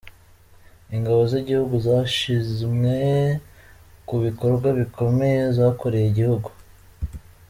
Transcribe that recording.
Ingabo z’igihugu zashimwe ku bikorwa bikomeye zakoreye igihugu.